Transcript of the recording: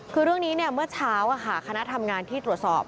คือเรื่องนี้เมื่อเช้าคณะทำงานที่ตรวจสอบ